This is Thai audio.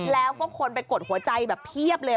แล้วก็คนไปกดหัวใจแบบเพียบเลย